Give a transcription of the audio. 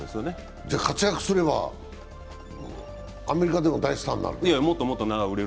じゃあ、活躍すればアメリカでも大スターになる？